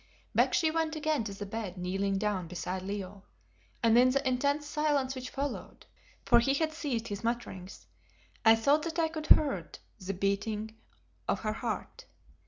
Back she went again to the bed, kneeling down beside Leo, and in the intense silence which followed for he had ceased his mutterings I thought that I could hear the beating of her heart.